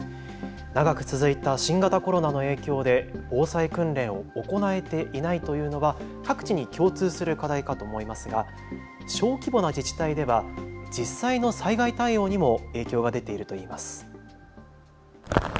長く続いた新型コロナの影響で防災訓練を行えていないというのは各地に共通する課題かと思いますが小規模な自治体では実際の災害対応にも影響が出ているといいます。